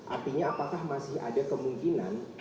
artinya apakah masih ada kemungkinan